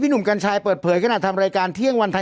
หนุ่มกัญชัยเปิดเผยขนาดทำรายการเที่ยงวันไทย